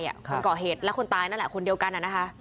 คนก่อเหตุและคนตายนั่นแหละคนเดียวกันนะคะ